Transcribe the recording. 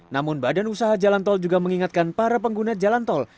namun badan usaha jalan tol juga mengingatkan para pengguna jalan tol